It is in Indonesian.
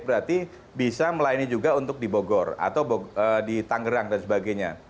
berarti bisa melayani juga untuk di bogor atau di tangerang dan sebagainya